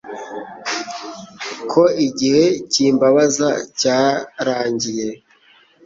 ko igihe cy'imbabazi cyarangiye,